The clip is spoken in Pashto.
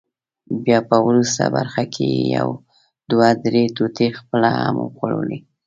بیا په وروست برخه کې یې یو دوه درې ټوټې خپله هم وخوړلې.